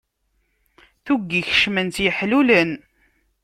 Tuggi kecmen-tt iḥlulen.